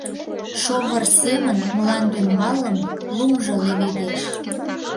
Шовыр семын мландӱмбалым лумжо леведеш.